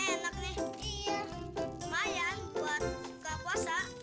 enak nih lumayan buat buka puasa